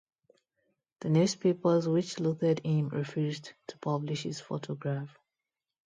The newspapers, which loathed him, refused to publish his photograph.